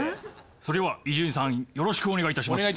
それでは伊集院さんよろしくお願い致します。